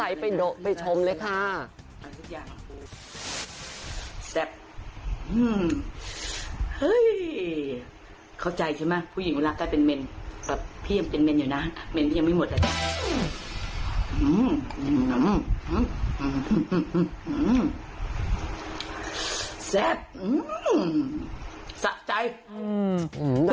อยากจังใสไปโดะไปชมเลยค่ะ